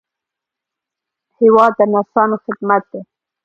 هېواد د نرسانو خدمت دی.